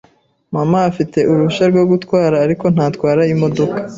Mama afite uruhushya rwo gutwara, ariko ntatwara imodoka.